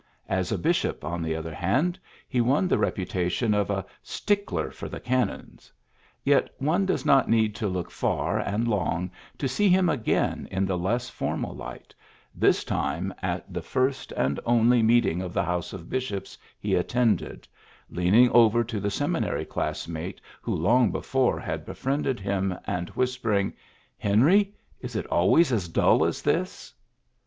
As a bishop on the other hand, he won the reputation of ^^a stickler for the canons." Yet one does not need to look far and long to see him again in the less formal light, this time, at the first and only meeting of the House of Bishops he attended, leaning over to the seminary classmate who long before had befriended him, and whispering, ^^ Henry, is it always as dull as this